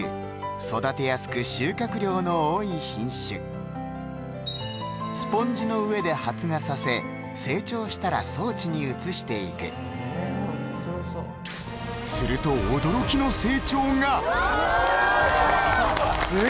育てやすく収穫量の多い品種スポンジの上で発芽させ成長したら装置に移していくすると驚きの成長が！うわ！